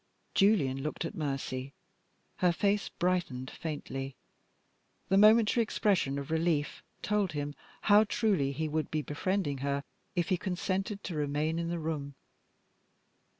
Julian looked at Mercy. Her face brightened faintly. That momentary expression of relief told him how truly he would be befriending her if he consented to remain in the room.